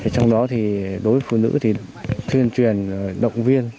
trong đó thì đối với phụ nữ thì tuyên truyền động viên